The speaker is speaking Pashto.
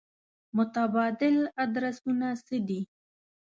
متبادل ادرسونه څه دي.